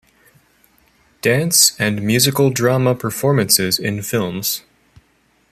Dance and musical drama performances in films.